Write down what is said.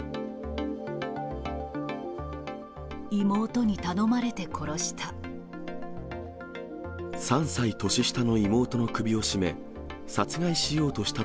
妹に頼まれて殺した。